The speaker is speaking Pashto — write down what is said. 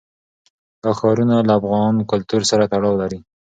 دا ښارونه له افغان کلتور سره تړاو لري.